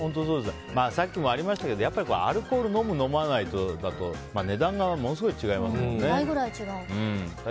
さっきもありましたがアルコールを飲む飲まないだと値段がものすごい違いますもんね。